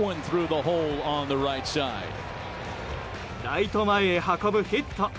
ライト前へ運ぶヒット。